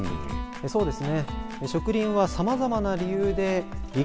そうですね。